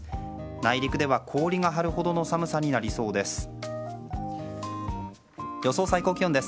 内陸では氷が張るほどの寒さになりそうです。